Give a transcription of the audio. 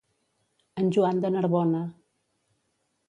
En Joan de Narbona.